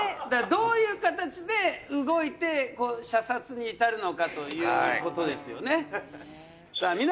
だからどういう形で動いて射殺に至るのかということですよねさあ